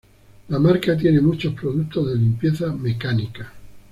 La marca tiene muchos productos de limpieza mecánica.